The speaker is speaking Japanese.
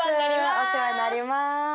お世話になります。